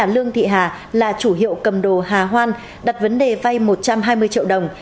lương thị hà là chủ hiệu cầm đồ hà hoan đặt vấn đề vay một trăm hai mươi triệu đồng